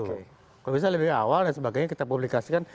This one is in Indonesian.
kalau bisa lebih awal dan sebagainya kita publikasikan